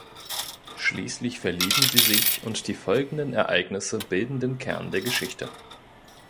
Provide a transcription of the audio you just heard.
Schließlich verlieben sie sich und die folgenden Ereignisse bilden den Kern der Geschichte.